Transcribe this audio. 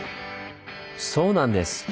そうなんです。